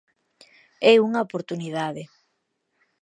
É unha oportunidade.